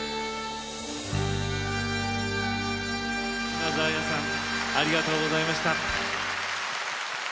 島津亜矢さんありがとうございました。